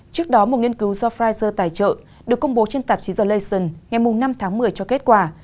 trước đó một nghiên cứu do pfizer tài trợ được công bố trên tạp sĩ the leysen ngày năm tháng một mươi cho kết quả